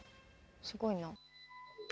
すごいな。